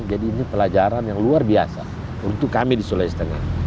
jadi ini pelajaran yang luar biasa untuk kami di sulawesi tengah